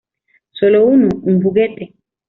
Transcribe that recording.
¿ Sólo uno? ¿ un juguete?